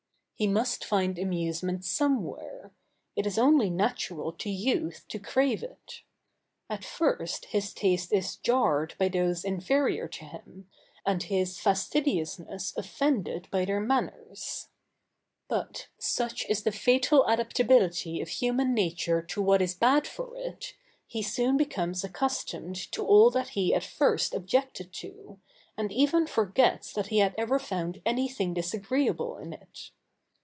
He must find amusement somewhere. It is only natural to youth to crave it. At first his taste is jarred by those inferior to him, and his fastidiousness offended by their manners. [Sidenote: "We first endure, then pity, then embrace."] But, such is the fatal adaptability of human nature to what is bad for it, he soon becomes accustomed to all that he at first objected to, and even forgets that he had ever found anything disagreeable in it.